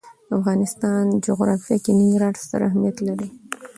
د افغانستان جغرافیه کې ننګرهار ستر اهمیت لري.